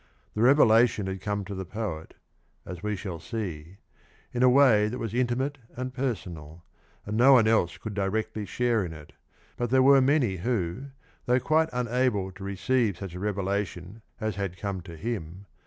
The revelation had come to the poet, as we shall see, in a way that was intimate and personal, and no one else could directly share in it, but there were many who, though quite unable to receive such a revelation as had come to him.